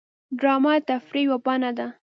ډرامه د تفریح یوه بڼه ده